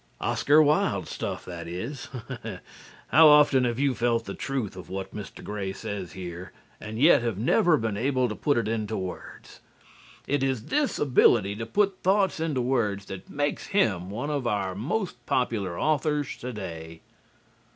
'" Oscar Wilde stuff, that is. How often have you felt the truth of what Mr. Grey says here, and yet have never been able to put it into words! It is this ability to put thoughts into words that makes him one of our most popular authors today.